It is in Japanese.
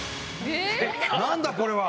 何だ⁉これは。